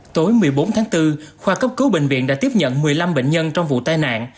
tối một mươi bốn tháng bốn khoa cấp cứu bệnh viện đã tiếp nhận một mươi năm bệnh nhân trong vụ tai nạn